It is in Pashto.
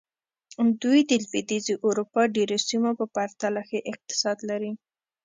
دوی د لوېدیځې اروپا ډېرو سیمو په پرتله ښه اقتصاد لري.